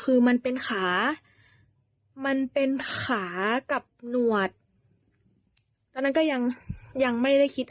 คือมันเป็นขามันเป็นขากับหนวดตอนนั้นก็ยังยังไม่ได้คิด